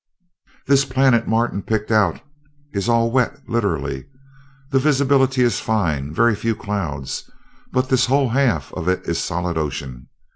"This planet Martin picked out is all wet, literally. The visibility is fine very few clouds but this whole half of it is solid ocean.